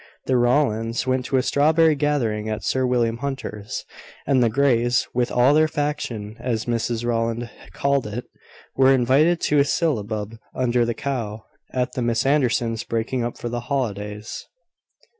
The Rowlands went to a strawberry gathering at Sir William Hunter's; and the Greys, with all their faction, as Mrs Rowland called it, were invited to a syllabub under the cow, at the Miss Andersons' breaking up for the holidays.